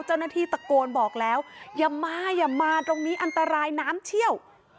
เจ้าหน้าที่ตะโกนบอกแล้วอย่ามาอย่ามาตรงนี้อันตรายน้ำเชี่ยว